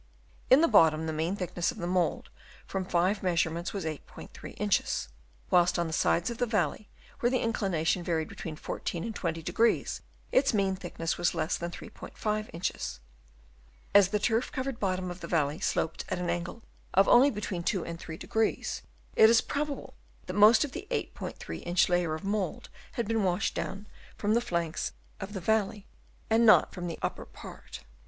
In the bottom, the mean thickness of the mould from five measurements was 83 inches; whilst on the sides of the valley, where the inclination varied between 14° and 20°, its mean thick ness was rather less than 3*5 inches. As the turf covered bottom of the valley sloped at an angle of only between 2° and 3°, it is probable that most of the 8'3 inch layer of mould had been washed down from the flanks of the valley, and not from the upper part.